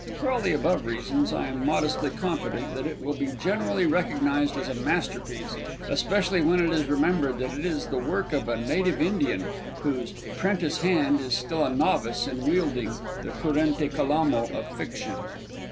For all the above reasons, I am modestly confident that it will be generally recognised as a masterpiece, especially when it is remembered that it is the work of a native Indian, whose 'prentice hand is still a novice in wielding the currente calamo of fiction.